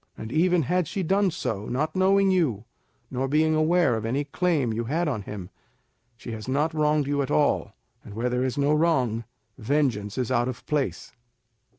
And even had she done so, not knowing you, nor being aware of any claim you had on him, she has not wronged you at all, and where there is no wrong, vengeance is out of place."